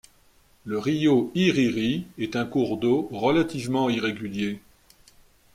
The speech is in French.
Le rio Iriri est un cours d'eau relativement irrégulier.